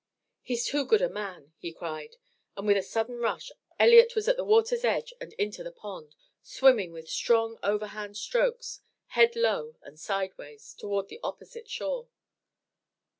"He's too good a man," he cried, and with a sudden rush Elliott was at the water's edge and into the pond swimming with strong overhanded strokes, head low and sideways, toward the opposite shore.